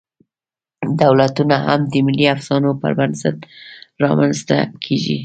دولتونه هم د ملي افسانو پر بنسټ رامنځ ته کېږي.